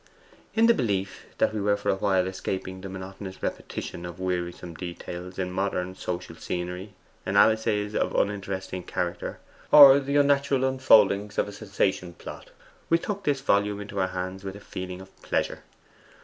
In the belief that we were for a while escaping the monotonous repetition of wearisome details in modern social scenery, analyses of uninteresting character, or the unnatural unfoldings of a sensation plot, we took this volume into our hands with a feeling of pleasure.